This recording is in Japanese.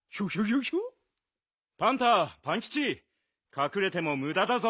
かくれてもむだだぞ。